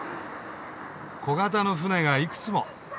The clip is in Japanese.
小型の船がいくつも。